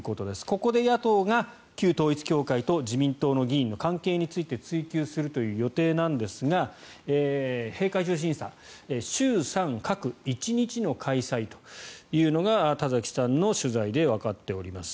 ここで野党が旧統一教会と自民党の議員の関係について追及するという予定なんですが閉会中審査衆参各１日の開催というのが田崎さんの取材でわかっております。